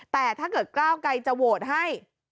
แต่ถ้าเกิดก้าวไกรจะโหวตให้